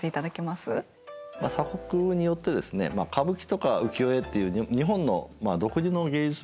まあ鎖国によってですね歌舞伎とか浮世絵っていう日本の独自の芸術文化がありますよね。